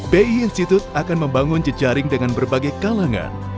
bi institute akan membangun jejaring dengan berbagai kalangan